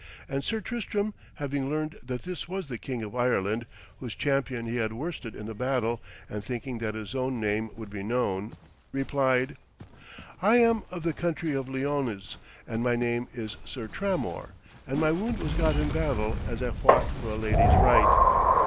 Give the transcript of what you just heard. And Sir Tristram, having learned that this was the King of Ireland, whose champion he had worsted in the battle, and thinking that his own name would be known, replied: 'I am of the country of Lyones, and my name is Sir Tramor, and my wound was got in battle, as I fought for a lady's right.'